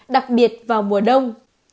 đặc biệt vào mùa đông